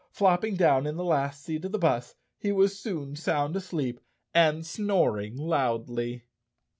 Flopping down in the last seat of the bus he was soon sound asleep and snoring loudly.